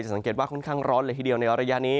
สังเกตว่าค่อนข้างร้อนเลยทีเดียวในระยะนี้